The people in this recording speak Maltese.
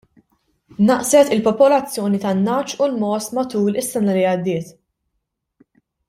Naqset il-popolazzjoni tan-nagħaġ u l-mogħoż matul is-sena li għaddiet.